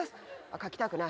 書きたくない。